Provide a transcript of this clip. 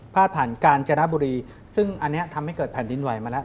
ผ่านกาญจนบุรีซึ่งอันนี้ทำให้เกิดแผ่นดินไหวมาแล้ว